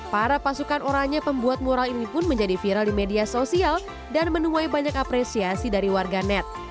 para pasukan oranye pembuat mural ini pun menjadi viral di media sosial dan menuai banyak apresiasi dari warganet